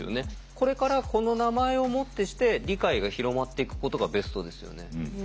これからこの名前をもってして理解が広まっていくことがベストですよね。